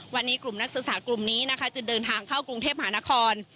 วันนี้กลุ่มนักศึกษากลุ่มนี้นะคะจะเดินทางเข้ากรุงเทพหานคร